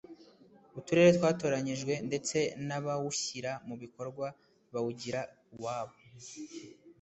uturere twatoranijwe ndetse n’abawushyira mu bikorwa bawugira uwabo